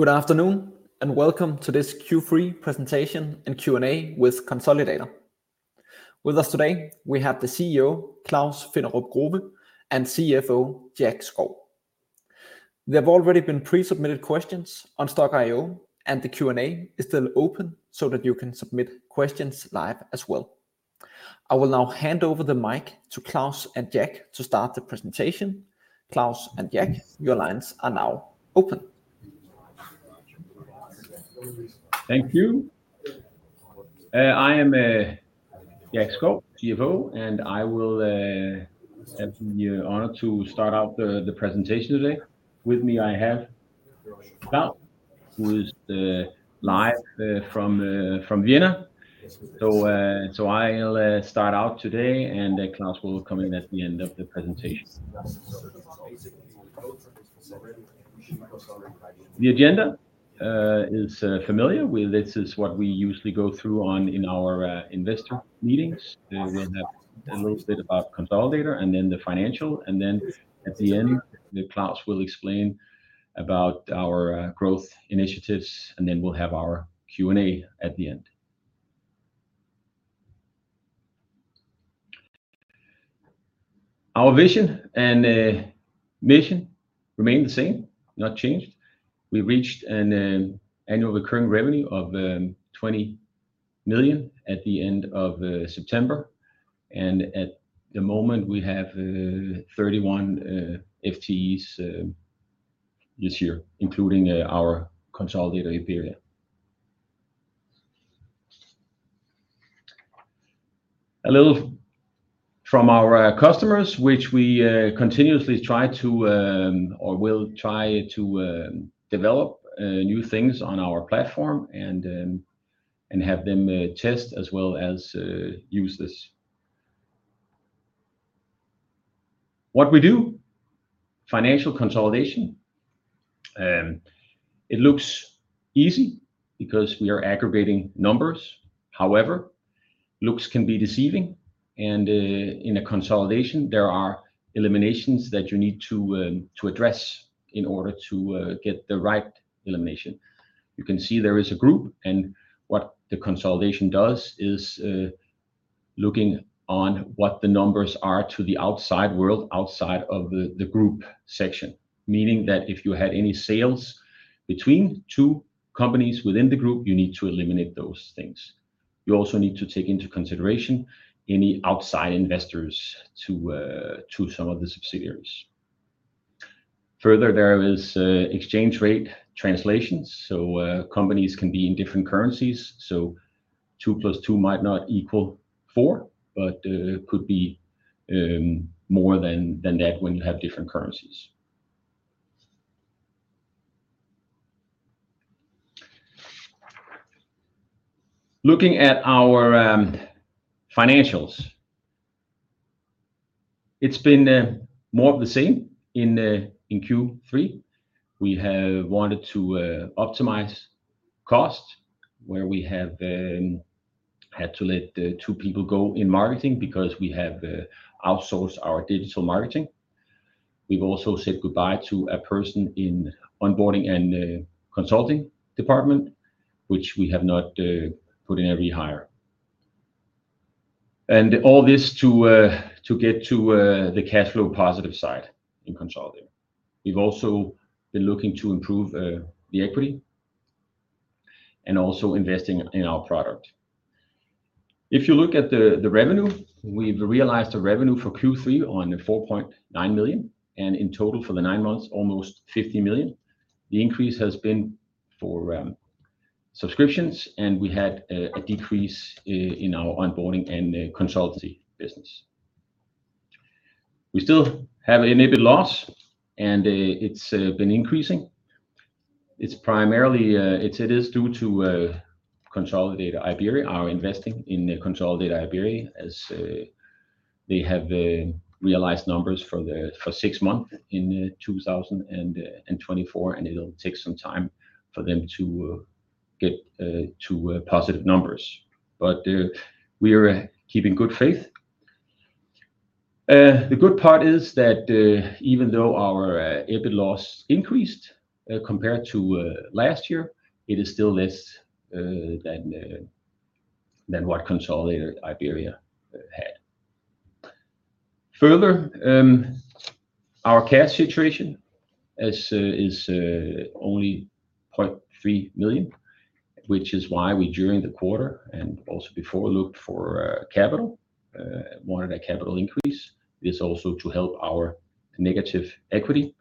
Good afternoon, and welcome to this Q3 presentation and Q&A with Konsolidator. With us today, we have the CEO, Claus Finderup Grove, and CFO, Jack Skov. There have already been pre-submitted questions on Stokk.io, and the Q&A is still open so that you can submit questions live as well. I will now hand over the mic to Claus and Jack to start the presentation. Claus and Jack, your lines are now open. Thank you. I am Jack Skov, CFO, and I will have the honor to start out the presentation today. With me, I have Claus, who is live from Vienna. So I'll start out today, and Claus will come in at the end of the presentation. The agenda is familiar. This is what we usually go through in our investor meetings. We'll have a little bit about Konsolidator and then the financial. And then at the end, Claus will explain about our growth initiatives, and then we'll have our Q&A at the end. Our vision and mission remain the same, not changed. We reached an annual recurring revenue of 20 million at the end of September. And at the moment, we have 31 FTEs this year, including our Konsolidator Iberia. A little from our customers, which we continuously try to, or will try to develop new things on our platform and have them test as well as use this. What we do, financial consolidation, it looks easy because we are aggregating numbers. However, looks can be deceiving, and in a consolidation, there are eliminations that you need to address in order to get the right elimination. You can see there is a group, and what the consolidation does is looking on what the numbers are to the outside world, outside of the group section, meaning that if you had any sales between two companies within the group, you need to eliminate those things. You also need to take into consideration any outside investors to some of the subsidiaries. Further, there are exchange rate translations, so companies can be in different currencies. So 2+2 might not equal four, but could be more than that when you have different currencies. Looking at our financials, it's been more of the same in Q3. We have wanted to optimize cost, where we have had to let two people go in marketing because we have outsourced our digital marketing. We've also said goodbye to a person in the onboarding and consulting department, which we have not put in a rehire. And all this to get to the cash flow positive side in Konsolidator. We've also been looking to improve the equity and also investing in our product. If you look at the revenue, we've realized the revenue for Q3 on 4.9 million, and in total for the nine months, almost 50 million. The increase has been for subscriptions, and we had a decrease in our onboarding and consultancy business. We still have a little bit of loss, and it's been increasing. It's primarily, it is due to Konsolidator Iberia, our investing in Konsolidator Iberia, as they have realized numbers for six months in 2024, and it'll take some time for them to get to positive numbers. But we are keeping good faith. The good part is that even though our EBIT loss increased compared to last year, it is still less than what Konsolidator Iberia had. Further, our cash situation is only 0.3 million, which is why we during the quarter and also before looked for capital, wanted a capital increase. It is also to help our negative equity.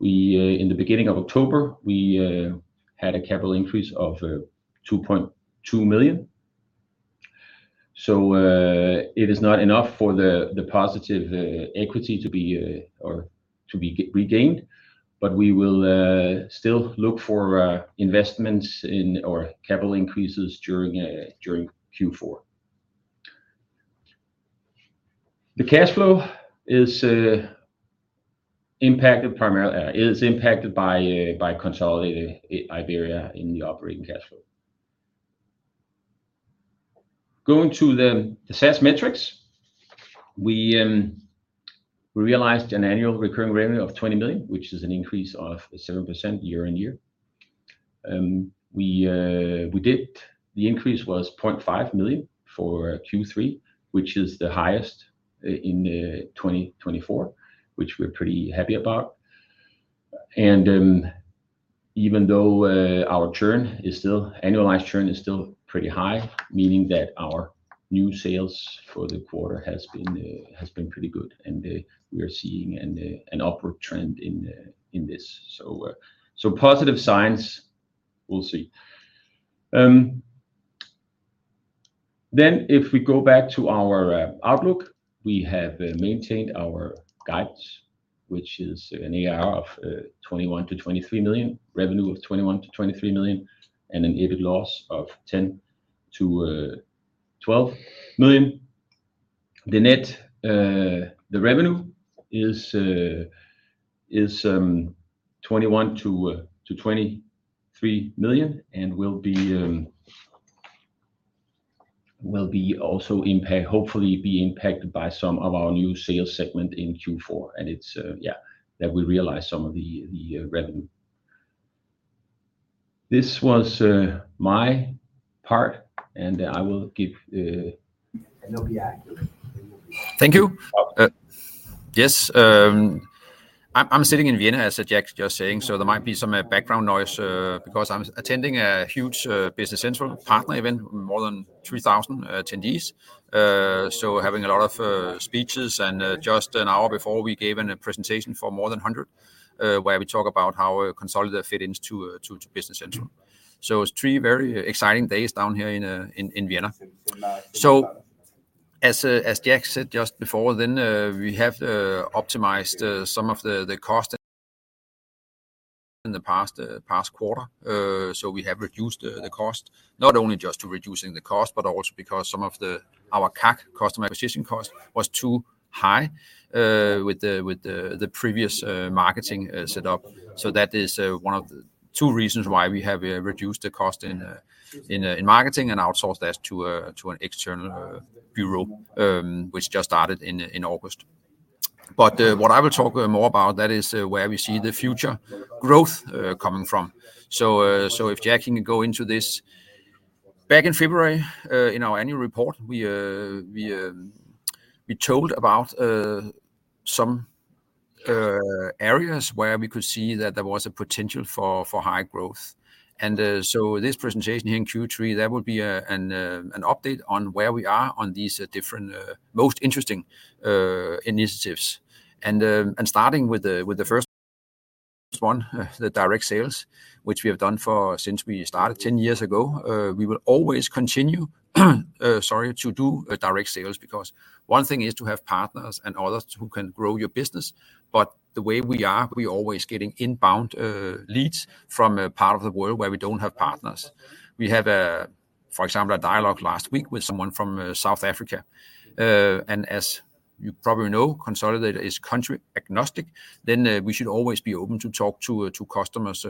In the beginning of October, we had a capital increase of 2.2 million. So it is not enough for the positive equity to be regained, but we will still look for investments in our capital increases during Q4. The cash flow is impacted by Konsolidator Iberia in the operating cash flow. Going to the SaaS metrics, we realized an annual recurring revenue of 20 million, which is an increase of 7% year-on-year. The increase was 0.5 million for Q3, which is the highest in 2024, which we're pretty happy about, and even though our churn is still, annualized churn is still pretty high, meaning that our new sales for the quarter has been pretty good, and we are seeing an upward trend in this, so positive signs, we'll see. Then if we go back to our outlook, we have maintained our guides, which is an ARR of 21 million-23 million, revenue of 21 million-23 million, and an EBIT loss of 10 million-12 million. The net revenue is 21 million-23 million and will be also hopefully impacted by some of our new sales segment in Q4, and it's, yeah, that we realize some of the revenue. This was my part, and I will give. Thank you. Yes. I'm sitting in Vienna, as Jack's just saying, so there might be some background noise because I'm attending a huge Business Central partner event, more than 3,000 attendees. Having a lot of speeches, and just an hour before, we gave a presentation for more than 100 where we talk about how Konsolidator fits into Business Central. It's three very exciting days down here in Vienna. As Jack said just before, we have optimized some of the cost in the past quarter. We have reduced the cost, not only just to reducing the cost, but also because some of our CAC, customer acquisition cost, was too high with the previous marketing setup. That is one of the two reasons why we have reduced the cost in marketing and outsourced that to an external bureau, which just started in August. But what I will talk more about, that is where we see the future growth coming from. So if Jack can go into this, back in February, in our annual report, we told about some areas where we could see that there was a potential for high growth. And so this presentation here in Q3, that would be an update on where we are on these different most interesting initiatives. And starting with the first one, the direct sales, which we have done since we started 10 years ago, we will always continue, sorry, to do direct sales because one thing is to have partners and others who can grow your business, but the way we are, we are always getting inbound leads from a part of the world where we don't have partners. We have, for example, a dialogue last week with someone from South Africa. And as you probably know, Konsolidator is country agnostic, then we should always be open to talk to customers,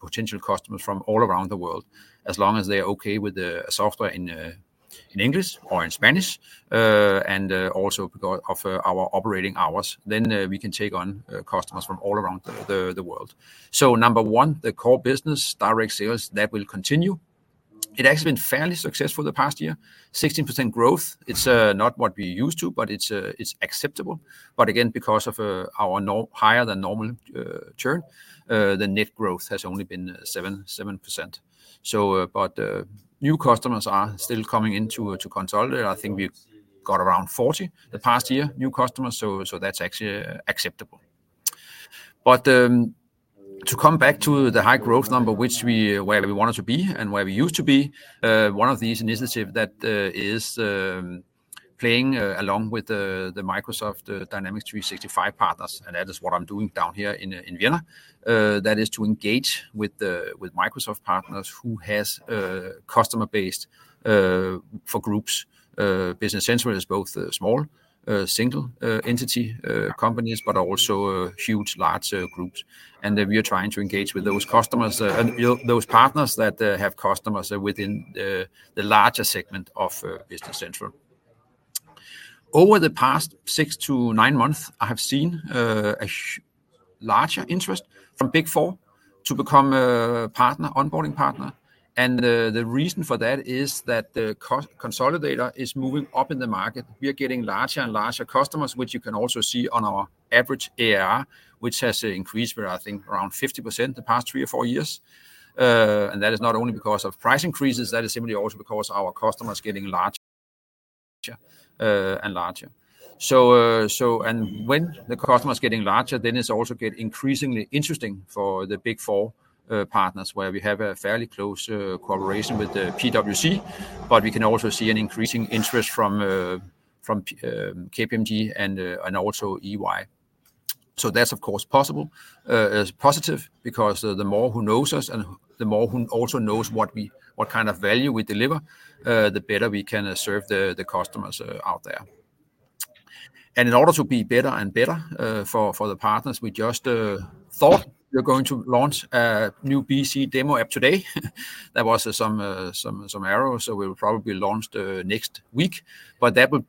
potential customers from all around the world, as long as they are okay with the software in English or in Spanish, and also because of our operating hours, then we can take on customers from all around the world. So number one, the core business, direct sales, that will continue. It has been fairly successful the past year, 16% growth. It's not what we're used to, but it's acceptable. But again, because of our higher than normal churn, the net growth has only been 7%. But new customers are still coming into Konsolidator. I think we got around 40 the past year, new customers. So that's actually acceptable. But to come back to the high growth number, which we wanted to be and where we used to be, one of these initiatives that is playing along with the Microsoft Dynamics 365 partners, and that is what I'm doing down here in Vienna, that is to engage with Microsoft partners who have customer base for groups. Business Central is both small, single entity companies, but also huge, large groups. And we are trying to engage with those customers, those partners that have customers within the larger segment of Business Central. Over the past six to nine months, I have seen a larger interest from Big Four to become onboarding partners. And the reason for that is that Konsolidator is moving up in the market. We are getting larger and larger customers, which you can also see on our average AR, which has increased by, I think, around 50% the past three or four years, and that is not only because of price increases. That is simply also because our customers are getting larger and larger. When the customers are getting larger, then it's also getting increasingly interesting for the Big Four partners, where we have a fairly close cooperation with PwC, but we can also see an increasing interest from KPMG and also EY. That's, of course, possible, positive, because the more who knows us and the more who also knows what kind of value we deliver, the better we can serve the customers out there. In order to be better and better for the partners, we just thought we're going to launch a new BC demo app today. There was some errors, so we will probably launch next week. That will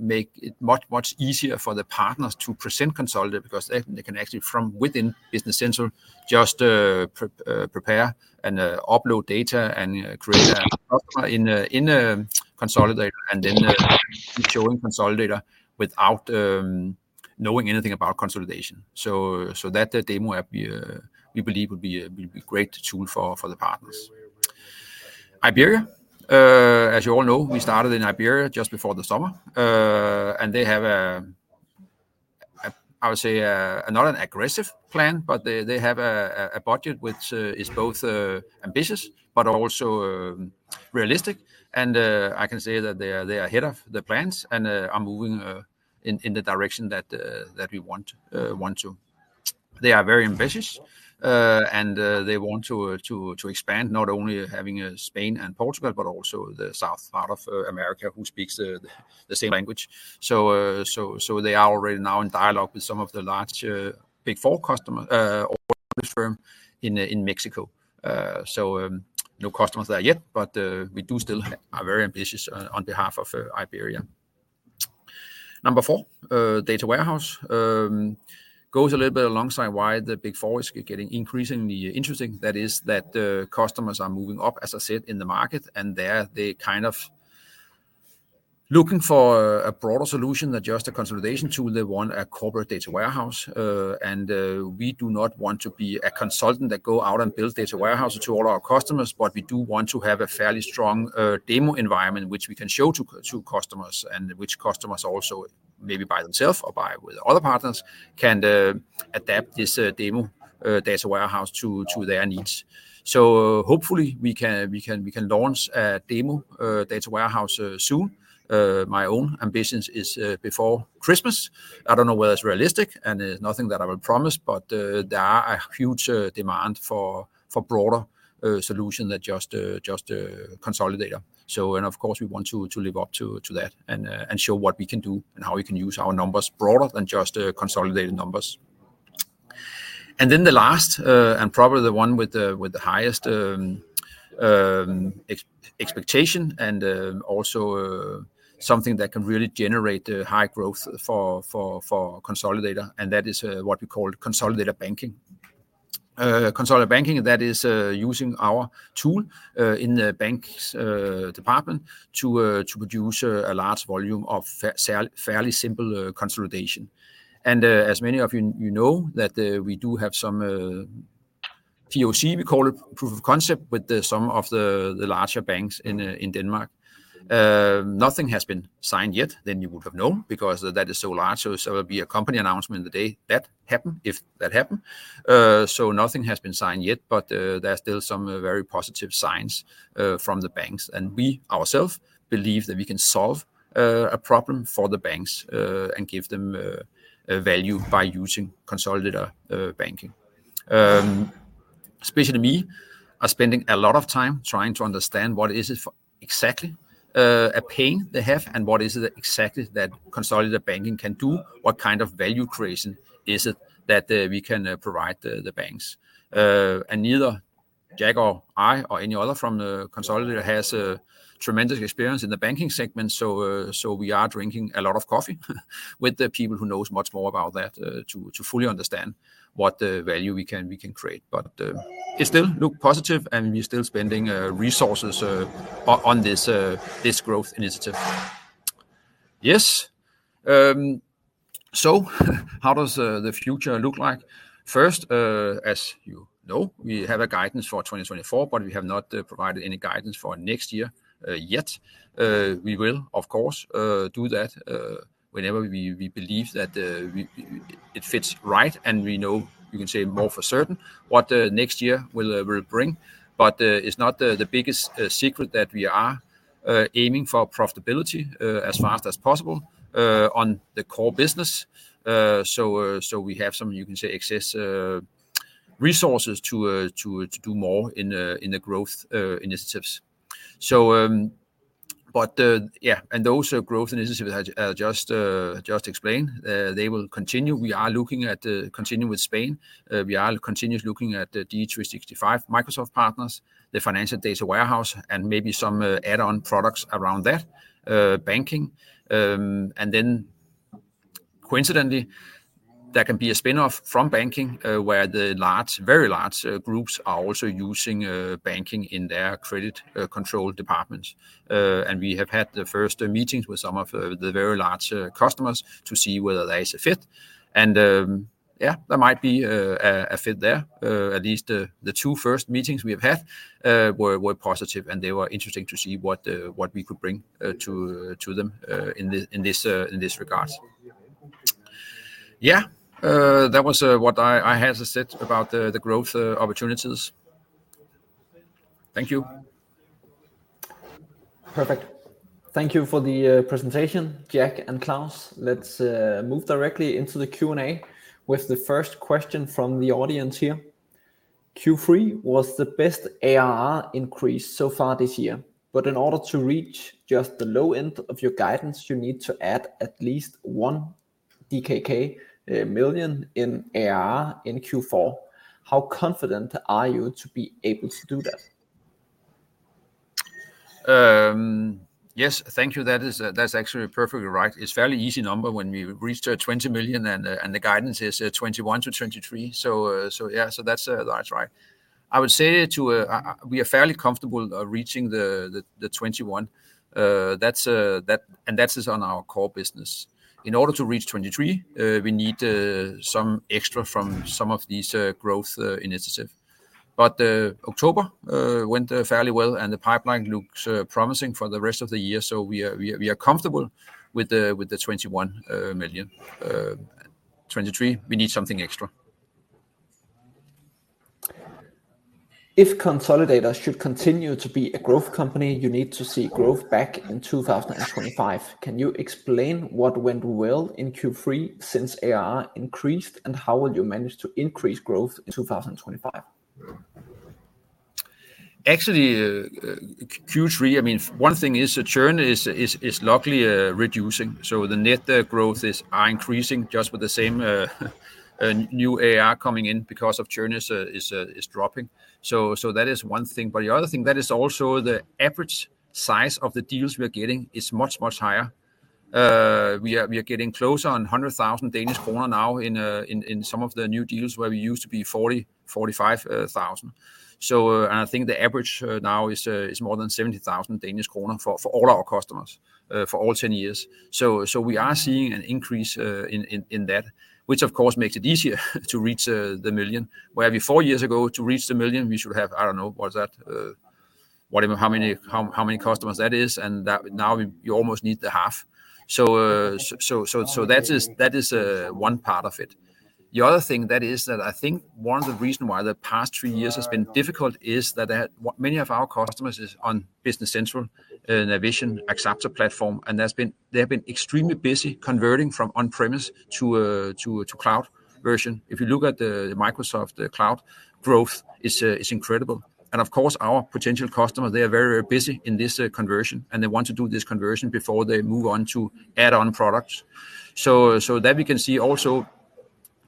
make it much, much easier for the partners to present Konsolidator because they can actually, from within Business Central, just prepare and upload data and create a customer in Konsolidator and then be showing Konsolidator without knowing anything about consolidation. That demo app, we believe, will be a great tool for the partners. Iberia, as you all know, we started in Iberia just before the summer. They have, I would say, not an aggressive plan, but they have a budget which is both ambitious but also realistic. I can say that they are ahead of the plans and are moving in the direction that we want to. They are very ambitious, and they want to expand not only having Spain and Portugal, but also South America who speaks the same language. So they are already now in dialogue with some of the large Big Four customers in Mexico. So no customers there yet, but we do still are very ambitious on behalf of Iberia. Number four, data warehouse, goes a little bit alongside why the Big Four is getting increasingly interesting. That is that customers are moving up, as I said, in the market, and they're kind of looking for a broader solution than just a consolidation tool. They want a corporate data warehouse. We do not want to be a consultant that goes out and builds data warehouses to all our customers, but we do want to have a fairly strong demo environment which we can show to customers and which customers also, maybe by themselves or with other partners, can adapt this demo data warehouse to their needs. Hopefully, we can launch a demo data warehouse soon. My own ambition is before Christmas. I don't know whether it's realistic, and it's nothing that I will promise, but there is a huge demand for a broader solution than just Konsolidator. Of course, we want to live up to that and show what we can do and how we can use our numbers broader than just consolidated numbers. And then the last, and probably the one with the highest expectation and also something that can really generate high growth for Konsolidator, and that is what we call Konsolidator Banking. Konsolidator Banking, that is using our tool in the bank's department to produce a large volume of fairly simple consolidation. And as many of you know, we do have some POC, we call it proof of concept with some of the larger banks in Denmark. Nothing has been signed yet, then you would have known because that is so large. So there will be a company announcement the day that happened, if that happened. So nothing has been signed yet, but there are still some very positive signs from the banks. And we ourselves believe that we can solve a problem for the banks and give them value by using Konsolidator Banking. Specifically, we are spending a lot of time trying to understand what is it exactly a pain they have and what is it exactly that Konsolidator Banking can do, what kind of value creation is it that we can provide the banks, and neither Jack nor I or any other from Konsolidator has tremendous experience in the banking segment. So we are drinking a lot of coffee with the people who know much more about that to fully understand what value we can create. But it still looks positive, and we are still spending resources on this growth initiative. Yes, so how does the future look like? First, as you know, we have guidance for 2024, but we have not provided any guidance for next year yet. We will, of course, do that whenever we believe that it fits right and we know we can say more for certain what next year will bring, but it's not the biggest secret that we are aiming for profitability as fast as possible on the core business, so we have some, you can say, excess resources to do more in the growth initiatives, but yeah, and those growth initiatives I just explained, they will continue. We are looking at continuing with Spain. We are continuously looking at D365, Microsoft partners, the financial data warehouse, and maybe some add-on products around that, banking, and then coincidentally, there can be a spin-off from banking where the large, very large groups are also using banking in their credit control departments, and we have had the first meetings with some of the very large customers to see whether there is a fit. And yeah, there might be a fit there. At least the two first meetings we have had were positive, and they were interesting to see what we could bring to them in this regard. Yeah, that was what I had to say about the growth opportunities. Thank you. Perfect. Thank you for the presentation, Jack and Claus. Let's move directly into the Q&A with the first question from the audience here. Q3 was the best ARR increase so far this year, but in order to reach just the low end of your guidance, you need to add at least 1 million DKK in ARR in Q4. How confident are you to be able to do that? Yes, thank you. That's actually perfectly right. It's a fairly easy number when we reached 20 million and the guidance is 21 million-23 million. So yeah, so that's right. I would say we are fairly comfortable reaching the 21 million, and that is on our core business. In order to reach 23 million, we need some extra from some of these growth initiatives. But October went fairly well, and the pipeline looks promising for the rest of the year. So we are comfortable with the 21 million. 23 million, we need something extra. If Konsolidator should continue to be a growth company, you need to see growth back in 2025. Can you explain what went well in Q3 since ARR increased, and how will you manage to increase growth in 2025? Actually, Q3, I mean, one thing is churn is luckily reducing. So the net growth is increasing just with the same new ARR coming in because churn is dropping. So that is one thing. But the other thing that is also the average size of the deals we are getting is much, much higher. We are getting closer on 100,000 Danish kroner now in some of the new deals where we used to be 40,000, 45,000. And I think the average now is more than 70,000 Danish kroner for all our customers for all 10 years. So we are seeing an increase in that, which of course makes it easier to reach the million. Where we four years ago to reach the million, we should have, I don't know, what is that, how many customers that is, and now you almost need the half. So that is one part of it. The other thing that is that I think one of the reasons why the past three years has been difficult is that many of our customers are on Business Central, Navision, Axapta platform, and they have been extremely busy converting from on-premise to cloud version. If you look at the Microsoft cloud growth, it's incredible, and of course, our potential customers, they are very, very busy in this conversion, and they want to do this conversion before they move on to add-on products, so that we can see also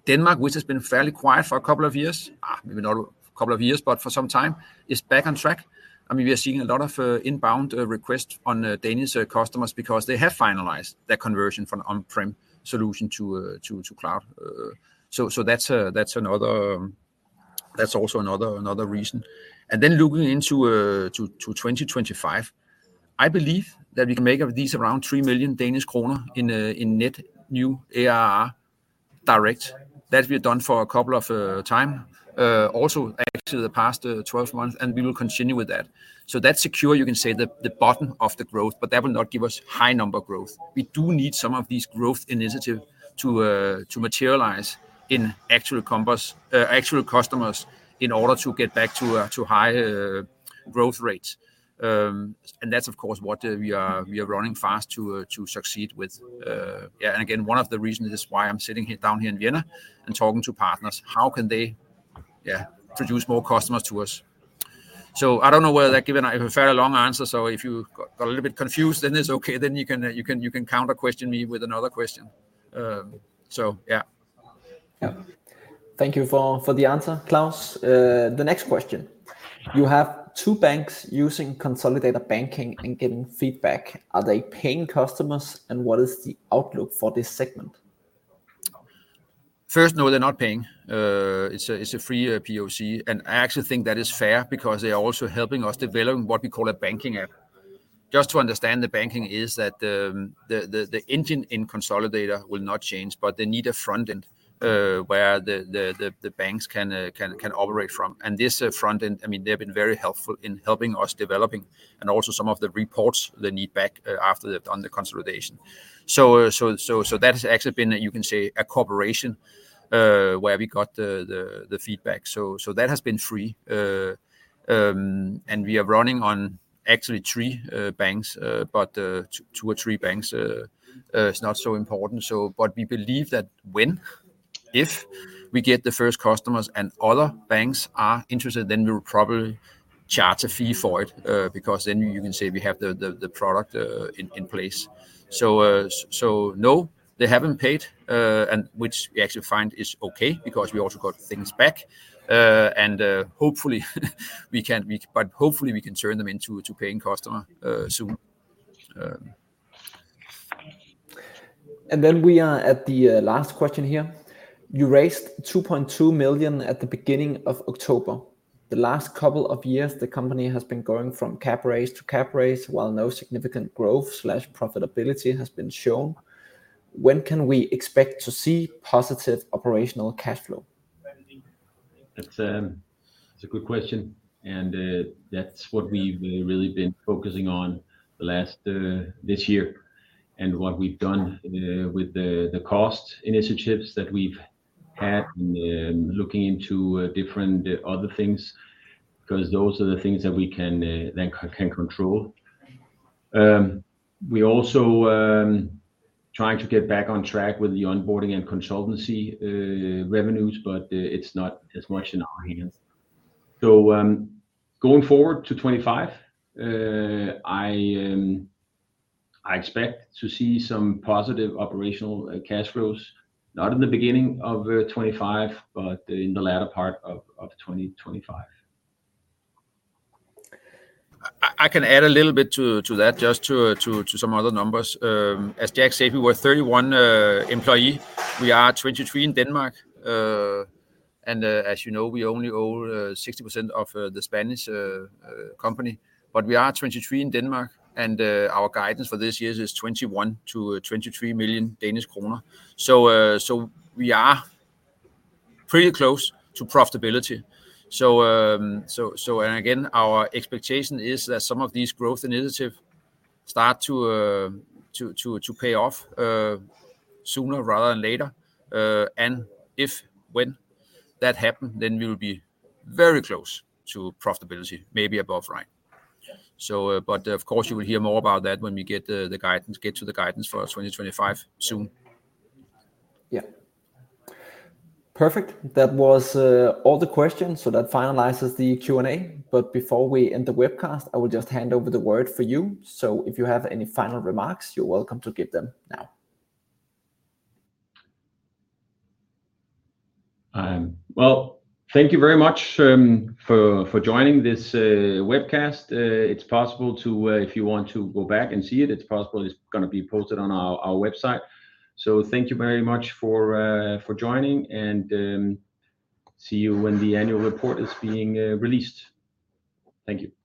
Denmark, which has been fairly quiet for a couple of years, maybe not a couple of years, but for some time, is back on track. I mean, we are seeing a lot of inbound requests on Danish customers because they have finalized their conversion from on-prem solution to cloud, so that's also another reason. And then looking into 2025, I believe that we can make at least around 3 million Danish kroner in net new ARR direct. That we have done for a couple of times, also active the past 12 months, and we will continue with that. So that's secure, you can say, the bottom of the growth, but that will not give us high number growth. We do need some of these growth initiatives to materialize in actual customers in order to get back to high growth rates. And that's, of course, what we are running fast to succeed with. Yeah. And again, one of the reasons is why I'm sitting down here in Vienna and talking to partners. How can they produce more customers to us? So I don't know whether that gave a fairly long answer. So if you got a little bit confused, then it's okay. Then you can counter-question me with another question. So yeah. Yeah. Thank you for the answer, Claus. The next question. You have two banks using Konsolidator Banking and giving feedback. Are they paying customers, and what is the outlook for this segment? First, no, they're not paying. It's a free POC, and I actually think that is fair because they are also helping us develop what we call a banking app. Just to understand, the banking is that the engine in Konsolidator will not change, but they need a front end where the banks can operate from, and this front end, I mean, they have been very helpful in helping us developing and also some of the reports they need back after they've done the consolidation, so that has actually been, you can say, a cooperation where we got the feedback, so that has been free, and we are running on actually three banks, but two or three banks is not so important. But we believe that when if we get the first customers and other banks are interested, then we will probably charge a fee for it because then you can say we have the product in place. So no, they haven't paid, which we actually find is okay because we also got things back. And hopefully we can turn them into a paying customer soon. We are at the last question here. You raised 2.2 million at the beginning of October. The last couple of years, the company has been going from cap raise to cap raise while no significant growth/profitability has been shown. When can we expect to see positive operational cash flow? That's a good question. And that's what we've really been focusing on this year and what we've done with the cost initiatives that we've had and looking into different other things because those are the things that we can control. We're also trying to get back on track with the onboarding and consultancy revenues, but it's not as much in our hands, so going forward to 2025, I expect to see some positive operational cash flows, not in the beginning of 2025, but in the latter part of 2025. I can add a little bit to that, just to some other numbers. As Jack said, we were 31 employees. We are 23 in Denmark. And as you know, we only own 60% of the Spanish company. But we are 23 in Denmark, and our guidance for this year is 21 million-23 million Danish kroner. So we are pretty close to profitability. And again, our expectation is that some of these growth initiatives start to pay off sooner rather than later. And if when that happens, then we will be very close to profitability, maybe above right. But of course, you will hear more about that when we get to the guidance for 2025 soon. Yeah. Perfect. That was all the questions. So that finalizes the Q&A. But before we end the webcast, I will just hand over the word for you. So if you have any final remarks, you're welcome to give them now. Thank you very much for joining this webcast. It's possible to, if you want to go back and see it, it's possible it's going to be posted on our website. Thank you very much for joining, and see you when the annual report is being released. Thank you.